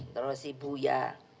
terus si buya